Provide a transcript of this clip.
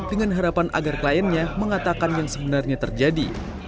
dengan harapan agar kliennya mengatakan yang sebenarnya terjadi